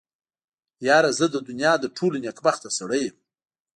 يره زه د دونيا تر ټولو نېکبخته سړی يم.